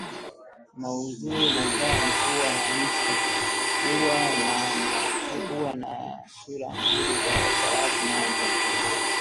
Maudhui na fani huwa na sura mbili za sarafu moja